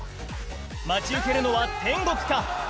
待ち受けるのは天国か？